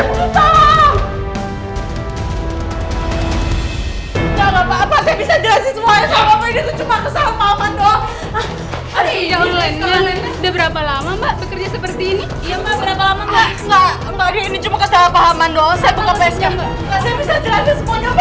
mbak melepasi saya doang pak